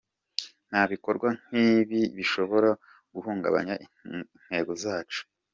Nta bikorwa nk’ibi bishobora guhungabanya intego zacu.